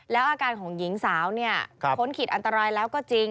แล้วอาการของหญิงสาวเนี่ยพ้นขีดอันตรายแล้วก็จริง